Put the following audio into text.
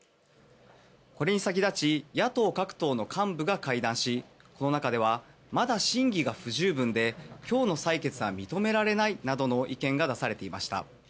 これに先立ち野党各党の幹部が会談しこの中では、まだ審議が不十分で今日の採決は認められないなどの意見が出されていました。